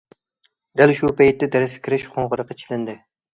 دەل شۇ پەيتتە دەرسكە كىرىش قوڭغۇرىقى چېلىندى.